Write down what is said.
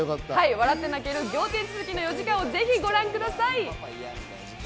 笑って泣ける仰天続きの４時間をぜひご覧ください。